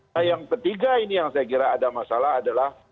nah yang ketiga ini yang saya kira ada masalah adalah